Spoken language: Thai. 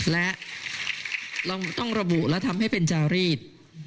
และเราต้องระบุและทำให้เป็นจารีด